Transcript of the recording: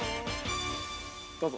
◆どうぞ。